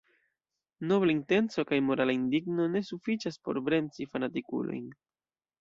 Nobla intenco kaj morala indigno ne sufiĉas por bremsi fanatikulojn.